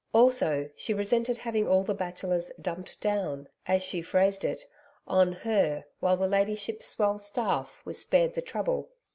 Also, she resented having all the bachelors 'dumped down' as she phrased it on her, while the 'Ladyship's swell staff' was spared the trouble.